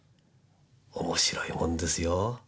面白いもんですよ。